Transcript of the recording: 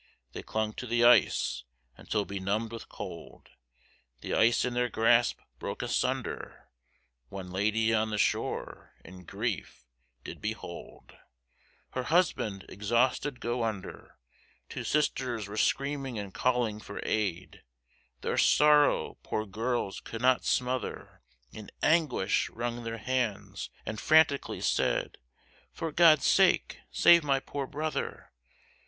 They clung to the ice, until benumbed with cold, The ice in their grasp broke asunder; One lady on the shore, in grief did behold Her husband, exhausted, go under; Two sisters were screaming and calling for aid, Their sorrow, poor girls, could not smother, In anguish wrung their hands, and franticly said, For God's sake save my poor brother.